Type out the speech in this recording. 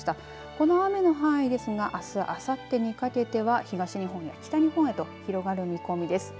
この雨の範囲ですがあすあさってにかけては東日本や北日本へと広がる見込みです。